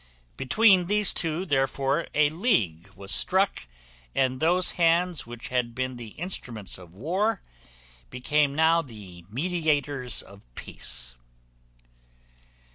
Between these two, therefore, a league was struck, and those hands which had been the instruments of war became now the mediators of peace.